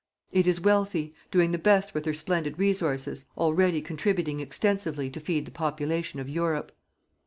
It is wealthy, doing the best with her splendid resources, already contributing extensively to feed the population of Europe.